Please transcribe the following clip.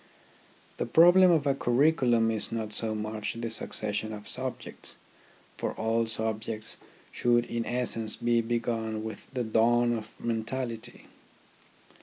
The problem of a curriculum is not so much the succession of subjects ; for all subjects should in essence be begun with the dawn of mentality.